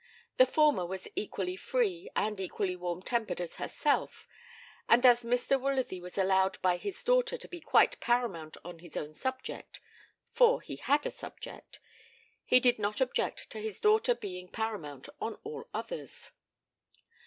The former was equally free and equally warm tempered as herself, and as Mr. Woolsworthy was allowed by his daughter to be quite paramount on his own subject for he had a subject he did not object to his daughter being paramount on all others.